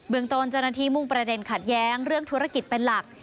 ตนเจ้าหน้าที่มุ่งประเด็นขัดแย้งเรื่องธุรกิจเป็นหลัก